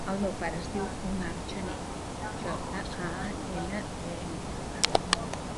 El meu pare es diu Omar Janer: jota, a, ena, e, erra.